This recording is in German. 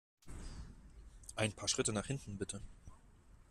Ein paar Schritte nach hinten, bitte!